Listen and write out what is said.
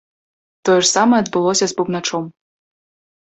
Тое ж самае адбылося з бубначом.